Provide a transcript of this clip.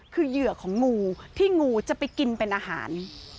คือเหยื่อของงูที่งูจะไปกินเป็นอาหาร